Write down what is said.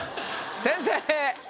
先生！